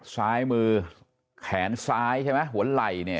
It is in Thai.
ซ้ายมือแขนซ้ายใช่ไหมหัวไหล่เนี่ย